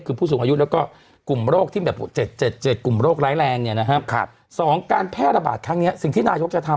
คือผู้สูงอายุแล้วก็กลุ่มโรคที่แบบ๗กลุ่มโรคร้ายแรงเนี่ยนะฮะ